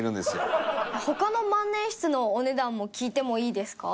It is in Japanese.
他の万年筆のお値段も聞いてもいいですか？